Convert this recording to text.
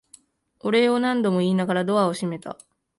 お礼を何度も言いながらドアを閉めた。